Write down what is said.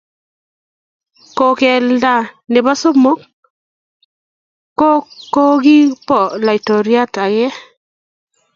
Kogelda nebo somok kogibo laitoriat age